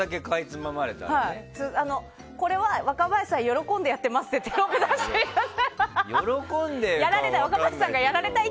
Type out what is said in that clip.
これは若林さんが喜んでやってますってテロップ出してください。